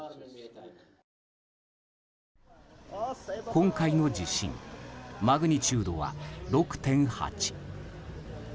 今回の地震マグニチュードは６．８。